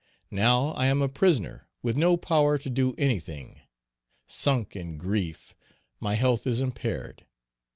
Now I am a prisoner with no power to do anything; sunk in grief, my health is impaired.